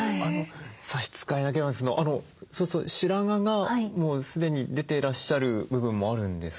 差し支えなければそうすると白髪がもう既に出ていらっしゃる部分もあるんですか？